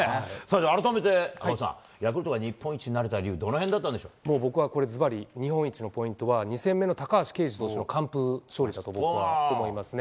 改めて赤星さんヤクルトが日本一になれた理由はずばり日本一のポイントは２戦目の高橋奎二選手の完封勝利したところだと思います。